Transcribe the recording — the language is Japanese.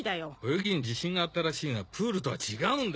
「泳ぎに自信があったらしいがプールとは違うんだよ」。